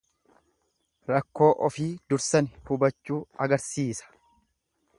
Rakkoo ofii dursani hubachuu argisiisa.